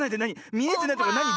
みえてないとかなに？